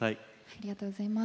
ありがとうございます。